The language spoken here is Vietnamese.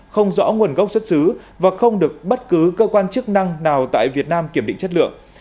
không rõ nguồn gốc xuất xứ và không được bất cứ cơ quan chức năng nào tại việt nam kiểm định chất lượng